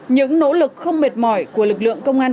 những nỗ lực không mệt mỏi của lực lượng công an